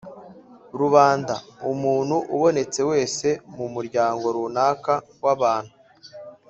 rubanda: umuntu ubonetse wese mu muryango runaka w’abantu